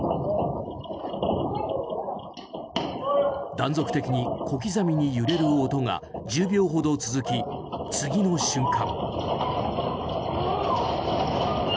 断続的に小刻みに揺れる音が１０秒ほど続き、次の瞬間。